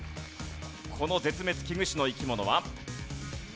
この絶滅危惧種の生き物は？